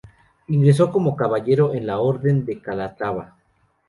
Ingreso como caballero en la Orden de Calatrava.